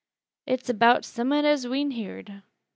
"It's about summat as we'n heerd.